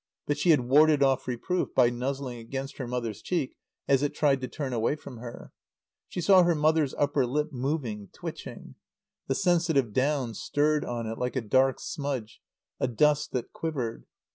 But she had warded off reproof by nuzzling against her mother's cheek as it tried to turn away from her. She saw her mother's upper lip moving, twitching. The sensitive down stirred on it like a dark smudge, a dust that quivered.